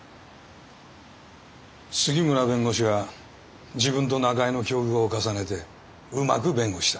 杉村弁護士が自分と中江の境遇を重ねてうまく弁護した。